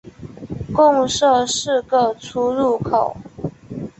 共设四个出入口。